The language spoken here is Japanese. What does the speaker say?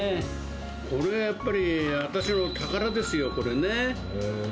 これはやっぱり私の宝ですよ、これね。